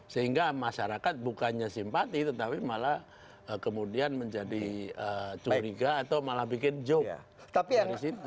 jadi masyarakat bukannya simpati tetapi malah kemudian menjadi curiga atau malah bikin joke dari situ